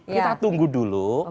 kita tunggu dulu